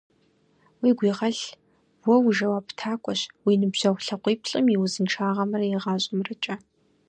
Уигу игъэлъ: уэ ужэуаптакӏуэщ уи ныбжьэгъу лъакъуиплӏым и узыншагъэмрэ и гъащӏэмрэкӏэ.